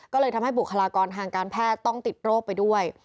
ก็เลยทำให้บุคลากรทางการแพทย์ต้องติดโรคไปด้วย